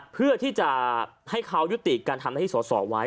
เพื่อที่จะให้เขายุติการทำหน้าที่สอสอไว้